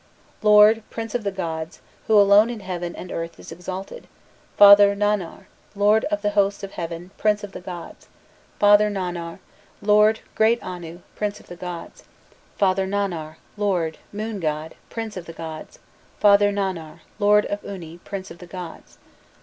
"Lord, prince of the gods, who alone in heaven and earth is exalted, father Nannar, lord of the hosts of heaven, prince of the gods, father Nannar, lord, great Anu, prince of the gods, father Nannar, lord, moon god, prince of the gods, father Nannar, lord of Uni, prince of the gods....